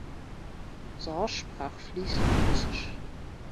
Sorge sprach fließend russisch.